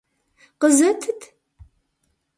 Къызэтыт!